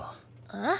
えっ？